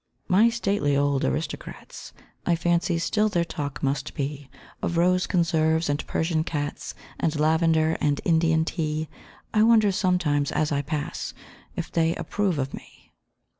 My stately old aristocrats I fancy still their talk must be Of rose conserves and Persian cats, And lavender and Indian tea; I wonder sometimes as I pass If they approve of me.